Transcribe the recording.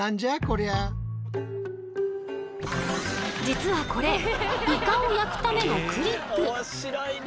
実はこれイカを焼くためのクリップ。